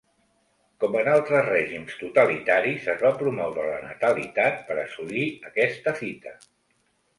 Com en altres règims totalitaris, es va promoure la natalitat per assolir aquesta fita.